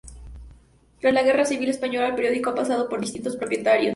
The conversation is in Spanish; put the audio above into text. Tras la guerra civil española el periódico ha pasado por distintos propietarios.